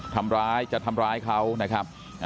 ทำร้ายจะทำร้ายเขานะครับ